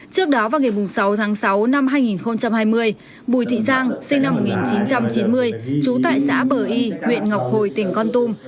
trước đó vào ngày sáu tháng sáu năm hai nghìn hai mươi bùi thị giang sinh năm một nghìn chín trăm chín mươi trú tại xã bờ y huyện ngọc hồi tỉnh con tum